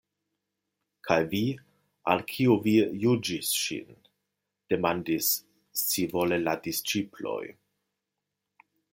"Kaj vi? Al kiu vi juĝis ŝin?" demandis scivole la disĉiploj.